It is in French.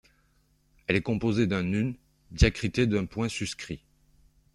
Elle est composée d’un nūn diacrité d’un points suscrits.